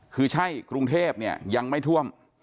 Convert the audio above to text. คือใช่กรุงเทพเนี่ยยังไม่ท่วม